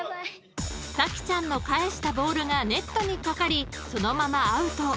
［咲ちゃんの返したボールがネットに掛かりそのままアウト］